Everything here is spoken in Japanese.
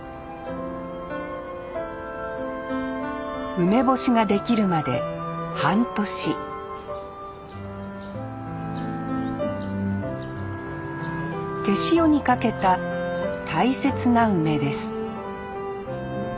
梅干しができるまで半年手塩にかけた大切な梅です